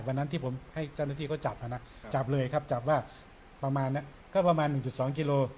วันนั้นที่ผมให้เจ้าหน้าที่เขาจับนะจับเลยครับจับว่าประมาณนั้นก็ประมาณ๑๒กิโล